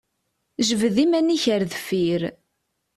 Jbed iman-ik ar deffir!